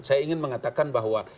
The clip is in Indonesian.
saya ingin mengatakan bahwa